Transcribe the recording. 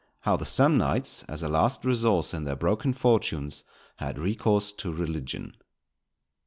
—_How the Samnites, as a last resource in their broken Fortunes, had recourse to Religion.